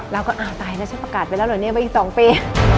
อ้าวก็อ้าวตายนะฉันประกาศไปแล้วเหรอเนี่ยว่าอีก๒ปี